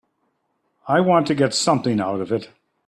I want to get something out of it.